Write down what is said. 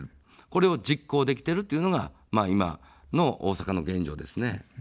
これを実行できているというのが今の大阪の現状ですね。